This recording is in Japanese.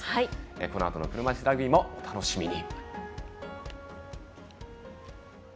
このあとの車いすラグビーもお楽しみに。